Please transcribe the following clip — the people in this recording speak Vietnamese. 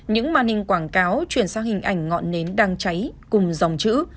những màn hình quảng cáo chuyển sang hình ảnh ngọn nến đang cháy cùng dòng chữ